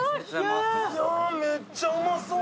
めっちゃうまそう。